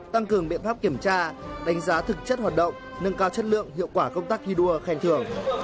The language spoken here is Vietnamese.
tăng cường biện pháp kiểm tra đánh giá thực chất hoạt động nâng cao chất lượng hiệu quả công tác thi đua khen thưởng